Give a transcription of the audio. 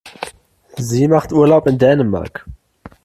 Sie macht Urlaub in Dänemark.